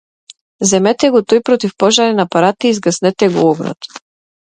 Земете го тој противпожарен апарат и изгаснете го огнот!